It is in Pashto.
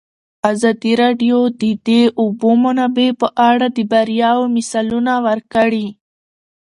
ازادي راډیو د د اوبو منابع په اړه د بریاوو مثالونه ورکړي.